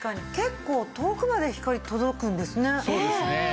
結構遠くまで光届くんですね。